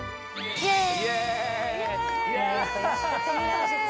イェーイ！